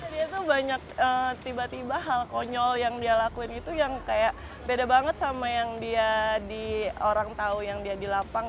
dia tuh banyak tiba tiba hal konyol yang dia lakuin itu yang kayak beda banget sama yang dia di orang tahu yang dia di lapang